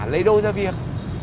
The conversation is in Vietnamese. lấy đôi ra việc